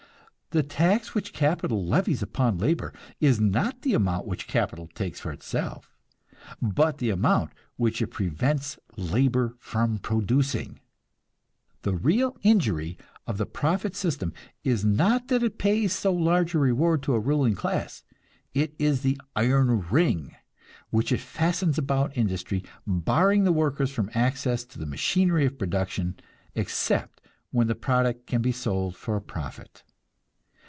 The tax which capital levies upon labor is not the amount which capital takes for itself, but the amount which it prevents labor from producing. The real injury of the profit system is not that it pays so large a reward to a ruling class; it is the "iron ring" which it fastens about industry, barring the workers from access to the machinery of production except when the product can be sold for a profit.